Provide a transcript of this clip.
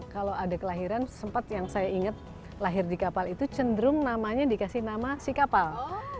kalau ada kelahiran sempat yang saya ingat lahir di kapal itu cenderung namanya dikasih nama si kapal